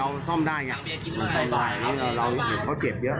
มันต้องหายเราเห็นเขาเจ็บเยอะ